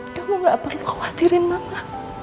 kamu gak perlu khawatirin mama